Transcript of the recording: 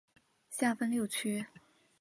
下分六区。